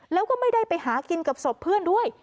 แล้วก็ไม่ได้ไปหากินกับศพเพื่อนด้วย